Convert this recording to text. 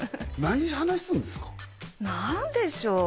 何でしょう？